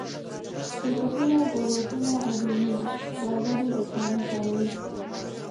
شرکتونه، دولتونه او دینونه دا ګډې افسانې کاروي.